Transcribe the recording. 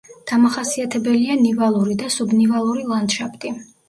დამახასიათებელია ნივალური და სუბნივალური ლანდშაფტი.